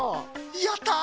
やった。